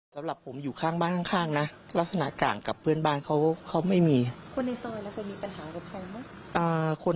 ทำร้ายร่างกายบริเวณนี้ไม่มีไม่มีครับ